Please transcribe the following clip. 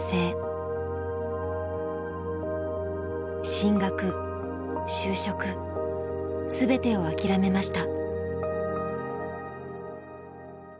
進学就職全てを諦めました。